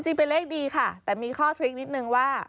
จริงเป็นเลขดีค่ะแต่มีข้อทริคนิดนึงว่า